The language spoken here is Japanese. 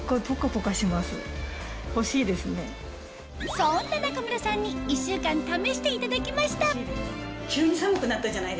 そんな中村さんに１週間試していただきました